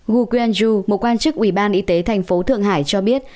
wu guanzhou một quan chức ủy ban y tế thành phố thượng hải cho biết